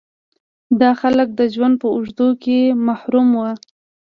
دا خلک د ژوند په اوږدو کې محروم وو.